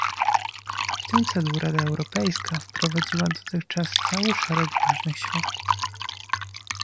W tym celu Rada Europejska wprowadziła dotychczas cały szereg ważnych środków